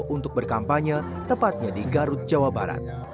untuk berkampanye tepatnya di garut jawa barat